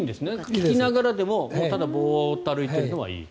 聞きながらでもただボーッと歩いているのはいい。